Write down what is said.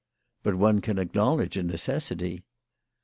" But one can acknowledge a necessity."